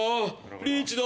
リーチだ